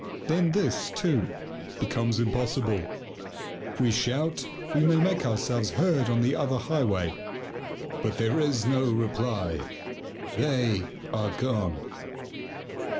Then this, too, becomes impossible. If we shout we may make ourselves heard on the other highway, but there is no reply. They are gone!